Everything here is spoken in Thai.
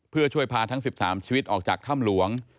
เพื่อช่วยพาทั้ง๑๓ชีวิตออกจากถ้ำหลวง